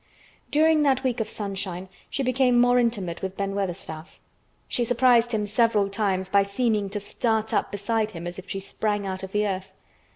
During that week of sunshine, she became more intimate with Ben Weatherstaff. She surprised him several times by seeming to start up beside him as if she sprang out of the earth.